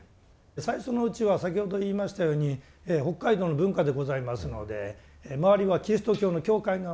最初のうちは先ほど言いましたように北海道の文化でございますので周りはキリスト教の教会が多い。